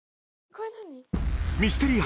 ミステリー